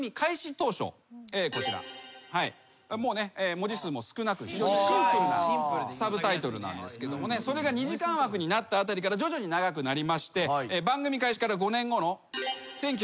文字数も少なく非常にシンプルなサブタイトルなんですがそれが２時間枠になったあたりから徐々に長くなりまして番組開始から５年後の。